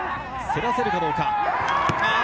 競らせるかどうか。